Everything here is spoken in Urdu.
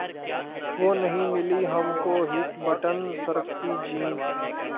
وہ نہیں ملی ہم کو ہک بٹن سرکتی جین